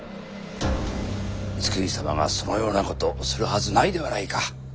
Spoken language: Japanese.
光圀様がそのようなことをするはずないではないか。